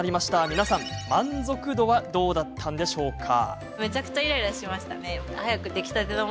皆さん満足度はどうだったんでしょうか。